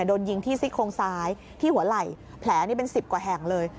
โดนยิงที่ซี่โครงซ้ายที่หัวไหล่แผลนี่เป็น๑๐กว่าแห่งเลย